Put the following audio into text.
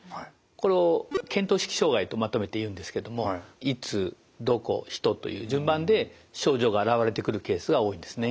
これを見当識障害とまとめていうんですけどもいつどこ人という順番で症状が現れてくるケースが多いんですね。